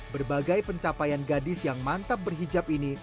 berbagai pencapaian gadis yang mantap berhijab ini